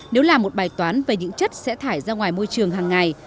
nếu là một bài toán về những chất sẽ thải ra ngoài môi trường hàng ngày